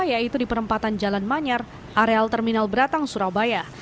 yaitu di perempatan jalan manyar areal terminal beratang surabaya